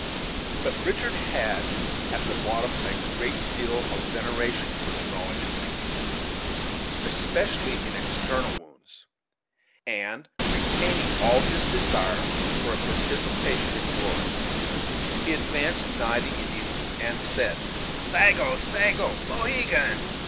But Richard had, at the bottom, a great deal of veneration for the knowledge of Mohegan, especially in external wounds; and, retaining all his desire for a participation in glory, he advanced nigh the Indian, and said: "Sago, sago, Mohegan!